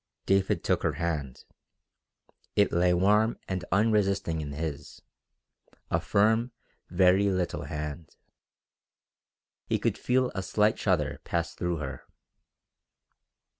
David took her hand. It lay warm and unresisting in his, a firm, very little hand. He could feel a slight shudder pass through her.